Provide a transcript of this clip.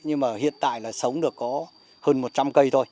nhưng mà hiện tại là sống được có hơn một trăm linh cây thôi